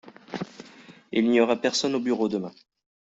Il n’y aura personne au bureau demain.